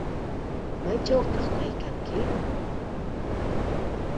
¿Maychawtaq kaykanki?